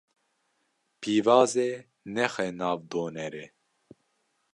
Pîvazê nexe nav donerê.